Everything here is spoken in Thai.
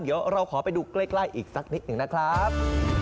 เดี๋ยวเราขอไปดูใกล้อีกสักนิดหนึ่งนะครับ